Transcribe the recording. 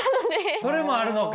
それもあるのか！